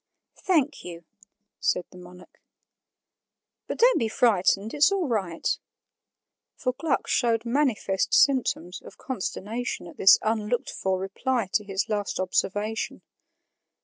"Thank you," said the monarch. "But don't be frightened; it's all right" for Gluck showed manifest symptoms of consternation at this unlooked for reply to his last observation.